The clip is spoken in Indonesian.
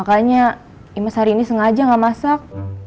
makanya imes hari ini sengaja gak masak